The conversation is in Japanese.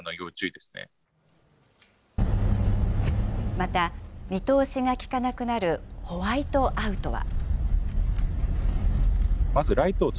また、見通しが利かなくなるホワイトアウトは。